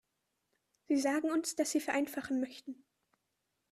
Sie sagen uns, dass Sie vereinfachen möchten.